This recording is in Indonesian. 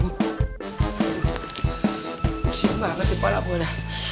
isi banget kepala gw dah